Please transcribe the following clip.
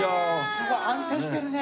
すごい安定してるね。